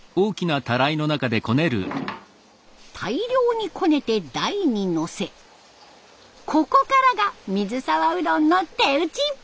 大量にこねて台にのせここからが水沢うどんの手打ち！